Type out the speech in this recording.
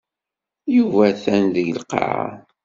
Yuba atan deg lqaɛa.